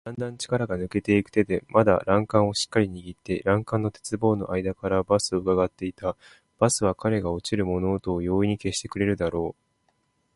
だんだん力が抜けていく手でまだ欄干をしっかりにぎって、欄干の鉄棒のあいだからバスをうかがっていた。バスは彼が落ちる物音を容易に消してくれるだろう。